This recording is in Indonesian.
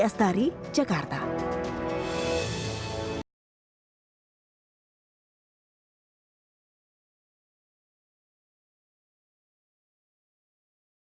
dan juga semangat nasionalisme